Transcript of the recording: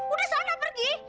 udah sana pergi